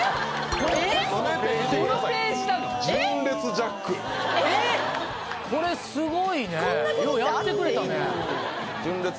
ジャックこれすごいねようやってくれたね